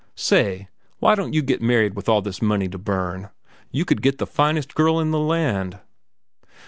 Say, why don't you get married with all this money to burn? You could get the finest girl in the land."